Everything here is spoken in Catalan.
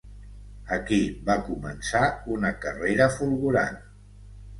Aquí va començar una carrera fulgurant.